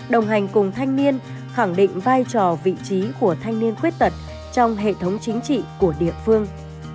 đồng hành cùng thanh niên khẳng định vai trò vị trí của thanh niên khuyết tật trong hệ thống chính trị của địa phương